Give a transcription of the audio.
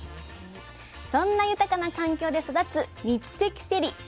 そんな豊かな環境で育つ三関せり。